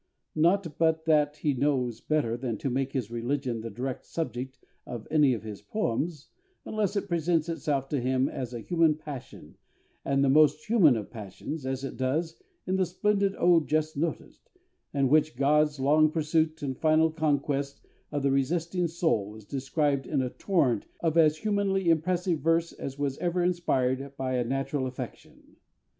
Not but that he knows better than to make his religion the direct subject of any of his poems, unless it presents itself to him as a human passion, and the most human of passions, as it does in the splendid ode just noticed, in which God's long pursuit and final conquest of the resisting soul is described in a torrent of as humanly impressive verse as was ever inspired by a natural affection.